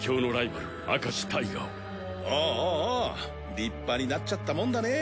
立派になっちゃったもんだねぇ